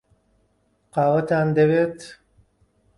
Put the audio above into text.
قاوەتان دەوێت؟